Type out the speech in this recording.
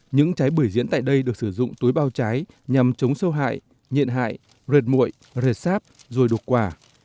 những trái bưởi diễn tại đây được sử dụng túi bao trái nhằm chống sâu hại nhiện hại rệt mụi rệt sáp rồi đột quả